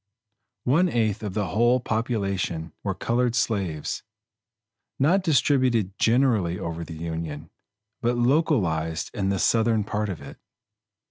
One eighth of the whole population were colored slaves, not distributed generally over the Union, but localized in the Southern part of it.